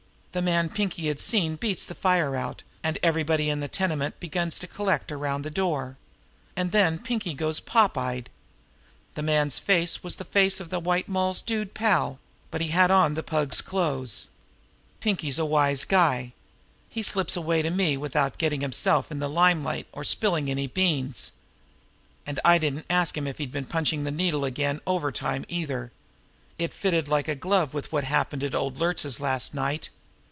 The man Pinkie had seen beats the fire out, and everybody in the tenement begins to collect around the door. And then Pinkie goes pop eyed. The man's face was the face of the White Moll's dude pal but he had on the Pug's clothes. Pinkie's a wise guy. He slips away to me without getting himself in the limelight or spilling any beans. And I didn't ask him if he'd been punching the needle again overtime, either. It fitted like a glove with what happened at old Luertz's last night.